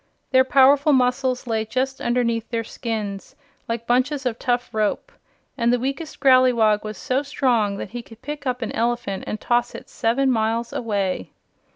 Their powerful muscles lay just underneath their skins, like bunches of tough rope, and the weakest Growleywog was so strong that he could pick up an elephant and toss it seven miles away.